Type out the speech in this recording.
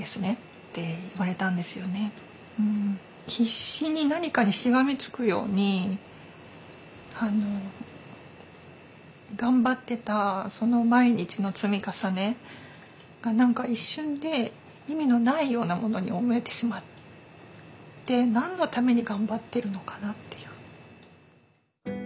必死に何かにしがみつくように頑張ってたその毎日の積み重ねが何か一瞬で意味のないようなものに思えてしまって何のために頑張ってるのかなっていう。